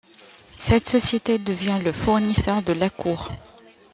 Cette société devient le fournisseur de la Cour.